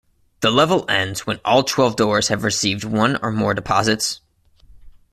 The level ends when all twelve doors have received one or more deposits.